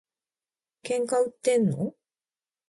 喧嘩売ってんの？